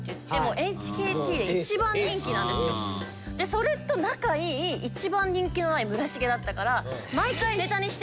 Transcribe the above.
それと仲いい一番人気のない村重だったから。